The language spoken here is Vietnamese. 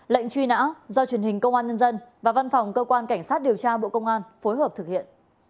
lệnh truy nã do truyền hình công an nhân dân và văn phòng cơ quan cảnh sát điều tra bộ công an phối hợp thực hiện